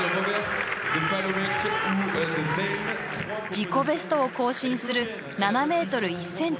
自己ベストを更新する７ｍ１ｃｍ。